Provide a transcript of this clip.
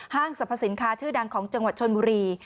สรรพสินค้าชื่อดังของจังหวัดชนบุรี